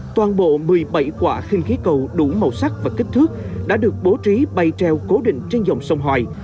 toàn bộ một mươi bảy quả khinh khí cầu đủ màu sắc và kích thước đã được bố trí bay treo cố định trên dòng sông hoài